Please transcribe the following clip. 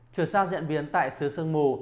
chuyển sang diễn biến tại xứ sơn mù